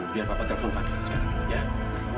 biar papa telepon fadil sekarang ya